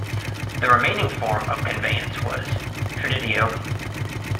The remaining form of conveyance was "traditio".